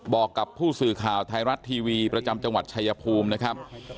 บอกกับผู้สื่อข่าวไทยรัฐทีวีประจำจังหวัดชายภูมินะครับ